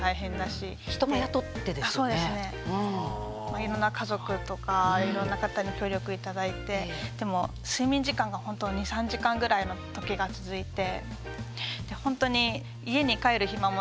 まあいろんな家族とかいろんな方に協力頂いてでも睡眠時間がほんと２３時間ぐらいのときが続いてほんとに家に帰る暇もなくて。